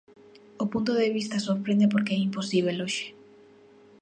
O punto de vista sorprende porque é imposíbel hoxe.